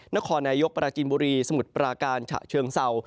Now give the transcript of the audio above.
นครนายกปราจินบุรีสมุทรปราการฉะเชิงเศร้า